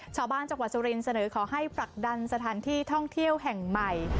จังหวัดสุรินเสนอขอให้ผลักดันสถานที่ท่องเที่ยวแห่งใหม่